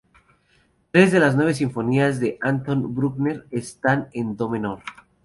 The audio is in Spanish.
Tres de las nueve sinfonías de Anton Bruckner están en do menor.